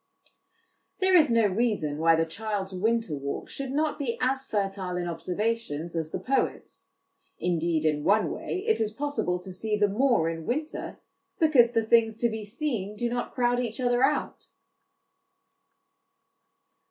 There is no reason why the child's winter walk should not be as fertile in observations as the poet's ; indeed, in one way, it is possible to see the more in winter, because the things to be seen do not crowd each other out.